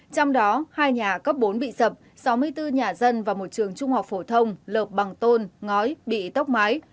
trong đó hai nhà cấp bốn bị sập sáu mươi bốn nhà dân và một trường trung học phổ thông lợp bằng tôn ngói bị tốc mái